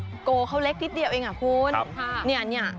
แต่ว่าโกเขาเล็กนิดเดียวเองอ่ะคุณเนี่ย